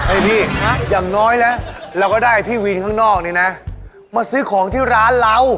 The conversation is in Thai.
พี่อย่างน้อยนะเราก็ได้พี่วินข้างนอกนี่นะมาซื้อของที่ร้านเรา